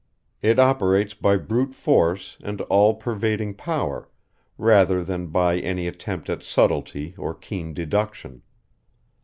It operates by brute force and all pervading power rather than by any attempt at sublety or keen deduction.